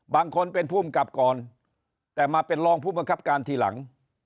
บางคนเป็นผู้มกับก่อนแต่มาเป็นลองพู่มกับการทีหลัง